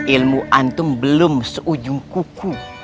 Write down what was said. ilmu antum belum seujung kuku